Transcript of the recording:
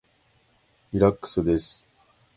リラックスです。